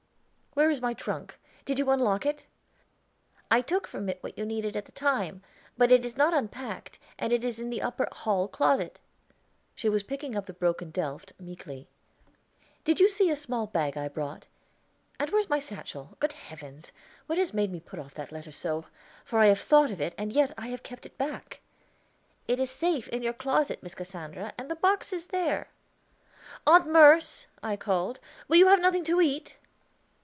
"Where is my trunk? Did you unlock it?" "I took from it what you needed at the time: but it is not unpacked, and it is in the upper hall closet." She was picking up the broken delf meekly. "Did you see a small bag I brought? And where's my satchel? Good heavens! What has made me put off that letter so? For I have thought of it, and yet I have kept it back." "It is safe, in your closet, Miss Cassandra; and the box is there." "Aunt Merce," I called, "will you have nothing to eat?"